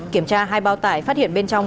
kiểm tra hai bao tải phát hiện bên trong